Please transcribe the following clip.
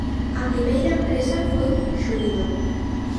A primeira empresa foi Xuido.